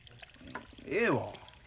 ええわ。